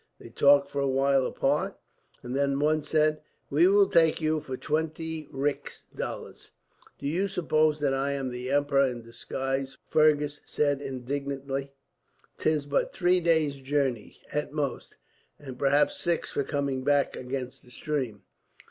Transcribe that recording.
They talked for a while apart, and then one said: "We will take you for twenty rix dollars." "Do you suppose that I am the emperor, in disguise?" Fergus said indignantly. "'Tis but three days' journey, at most, and perhaps six for coming back against the stream."